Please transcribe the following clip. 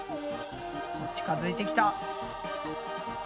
近づいてきた。